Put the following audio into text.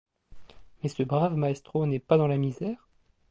Mais ce brave maestro n’est pas dans la misère ?